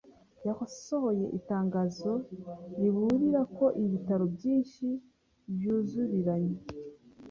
yasohoye itangazo riburira ko ibitaro byinshi "byuzuriranye